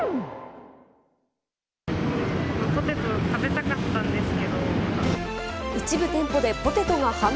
ポテト食べたかったんですけ